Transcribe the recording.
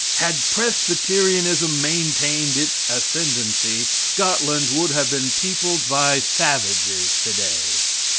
Had Presbyterianism maintained its ascendancy, Scotland would have been peopled by savages today.